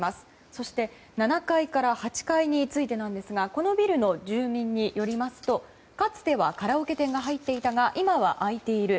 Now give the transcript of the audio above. そして７階から８階についてですがこのビルの住民によりますとかつてはカラオケ店が入っていたが今は空いている。